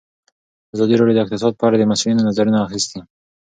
ازادي راډیو د اقتصاد په اړه د مسؤلینو نظرونه اخیستي.